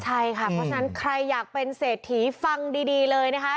ใช่ค่ะเพราะฉะนั้นใครอยากเป็นเศรษฐีฟังดีเลยนะคะ